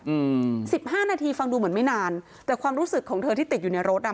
อืมสิบห้านาทีฟังดูเหมือนไม่นานแต่ความรู้สึกของเธอที่ติดอยู่ในรถอ่ะ